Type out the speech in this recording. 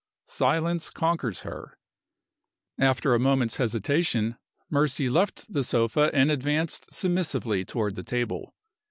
Silence conquers her. After a moment's hesitation, Mercy left the sofa and advanced submissively toward the table.